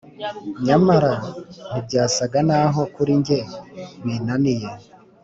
nyamara ntibyasaga naho kuri njye binaniye;